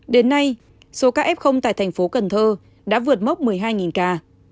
đến nay số ca f tại thành phố cần thơ đã vượt mốc một mươi hai ca